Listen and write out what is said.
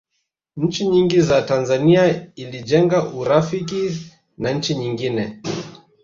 nchi nyingi za tanzania ilijenga urafiki na nchi nyingine